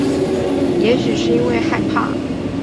也许是因为害怕